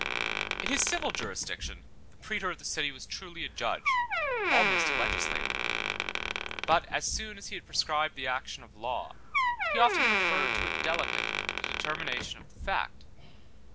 203 3. In his civil jurisdiction, the praetor of the city was truly a judge, and almost a legislator; but, as soon as he had prescribed the action of law, he often referred to a delegate the determination of the fact.